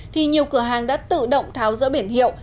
thì nhiều cửa hàng đã tự động tháo rỡ biển hiệu